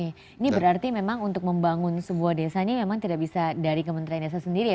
ini berarti memang untuk membangun sebuah desa ini memang tidak bisa dari kementerian desa sendiri ya